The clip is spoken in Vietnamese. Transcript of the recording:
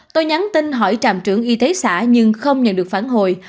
tôi nhắn tin hỏi trạm trưởng y tế xã nhưng không nhận được phản hồi